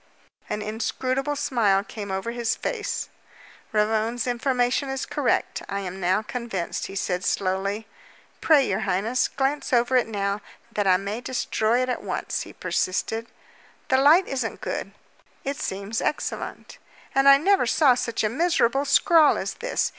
An inscrutable smile came over his face. "Ravone's information is correct, I am now convinced," he said slowly. "Pray, your highness, glance over it now, that I may destroy it at once," he persisted. "The light isn't good." "It seems excellent." "And I never saw such a miserable scrawl as this.